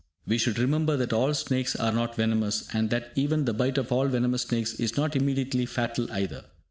We should remember that all snakes are not venomous, and that even the bite of all venomous snakes is not immediately fatal either.